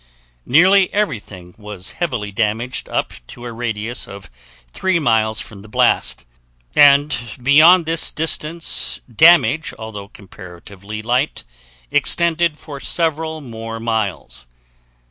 Nearly everything was heavily damaged up to a radius of 3 miles from the blast, and beyond this distance damage, although comparatively light, extended for several more miles.